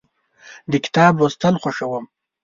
د کتاب لوستل خوښوم.